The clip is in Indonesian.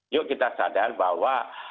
yuk kita sadar bahwa